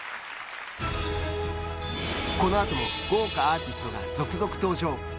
この後も豪華アーティストが続々登場。